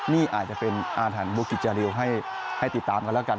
นี่อาถรรพ์บุกิจริวให้ติดตามกันแล้วกัน